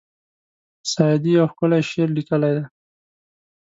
سعدي یو ښکلی شعر لیکلی دی.